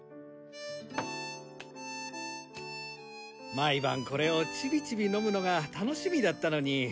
毎晩これをちびちび飲むのが楽しみだったのに。